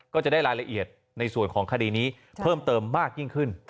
ก็จะได้รายละเอียดในส่วนของคดีนี้เพิ่มเติมมากยิ่งขึ้น